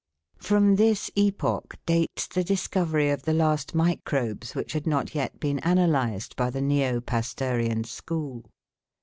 From this epoch dates the discovery of the last microbes, which had not yet been analysed by the neo Pasteurian school.